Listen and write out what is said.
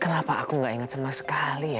kenapa aku gak ingat sama sekali ya